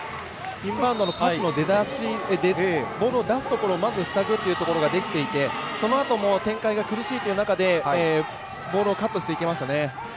インバウンドのパスの出だしボールの出るところをまず塞ぐというところができていてそのあとも展開が苦しいという中でボールをカットしていきましたね。